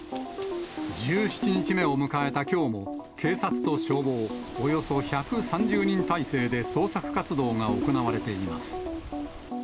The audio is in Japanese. １７日目を迎えたきょうも、警察と消防、およそ１３０人態勢で捜索活動が行われています。